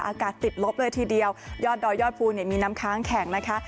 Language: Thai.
อากาศติดลบเลยทีเดียวยอดดอยยอดภูเนี่ยมีน้ำค้างแข็งนะคะ